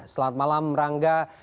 selamat malam rangga